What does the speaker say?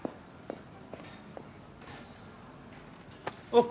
あっ。